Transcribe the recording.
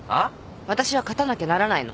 わたしは勝たなきゃならないの。